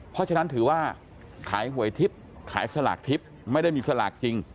เพราะฉะนั้นถือว่าขายหวยทิพย์ขายสลากทิพย์ไม่ได้มีสลากจริง